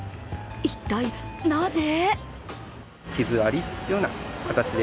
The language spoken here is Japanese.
一体なぜ？